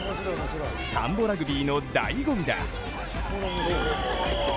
たんぼラグビーのだいご味だ。